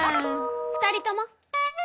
２人とも！